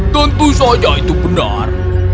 tentu saja itu benar